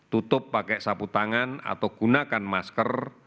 tutup pakai sapu tangan atau gunakan masker